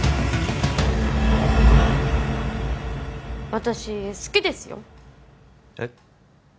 私好きですよえっ？